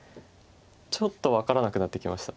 ちょっと分からなくなってきました。